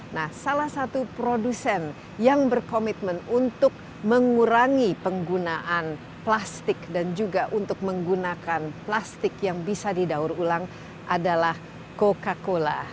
nah salah satu produsen yang berkomitmen untuk mengurangi penggunaan plastik dan juga untuk menggunakan plastik yang bisa didaur ulang adalah coca cola